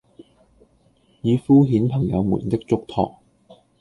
以敷衍朋友們的囑托，